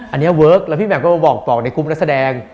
อันนี้เวิร์คแล้วพี่แมมก็บอกในกรุ๊ปนักแสดง